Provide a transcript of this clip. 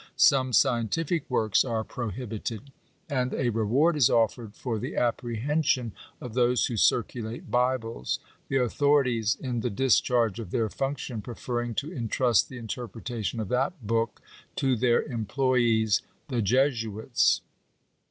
Some scientific works are prohibited. And a reward is offered for the apprehension of those who circulate bibles — the authorities in the discharge of their function pre ferring to entrust the interpretation of that book to their em ployes the Jesuits.